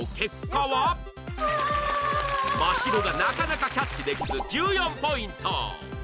マシロがなかなかキャッチできず１４ポイント